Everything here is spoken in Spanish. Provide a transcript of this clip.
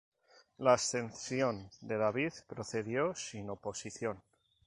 La ascensión de David procedió sin oposición.